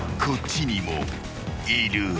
［こっちにもいる］